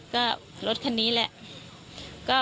ก็รถคันนี้แหละ